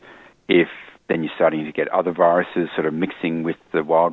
jika anda mulai mendapatkan virus lain yang bergantung dengan virus wild